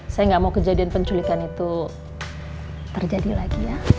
saya nggak mau kejadian penculikan itu terjadi lagi ya